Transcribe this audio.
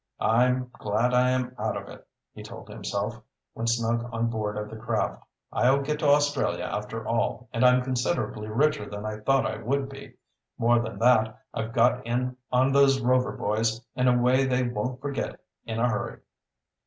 "I'm glad I am out of it," he told himself, when snug on board of the craft. "I'll get to Australia after all, and I'm considerably richer than I thought I would be. More than that, I've got in on those Rover boys in a way they won't forget in a hurry."